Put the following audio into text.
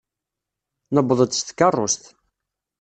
Newweḍ-d s tkeṛṛust.